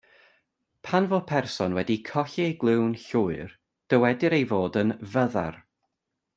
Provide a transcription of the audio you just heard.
Pan fo person wedi colli ei glyw'n llwyr, dywedir ei fod yn fyddar.